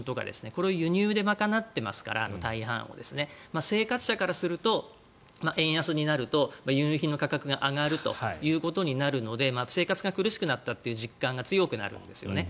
これを輸入で賄っていますから生活者からすると円安になると輸入品の価格が上がることになるので生活が苦しくなったという実感が強くなるんですよね。